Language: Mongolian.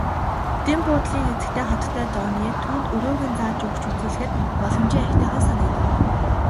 Дэн буудлын эзэгтэй хатагтай Дооне түүнд өрөөг нь зааж өгч үзүүлэхэд боломжийн аятайхан санагдав.